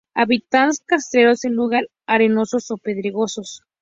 Hábitats costeros, en lugares arenosos o pedregosos.